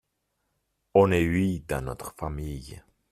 On est huit dans notre famille.